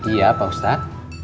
iya pak ustadz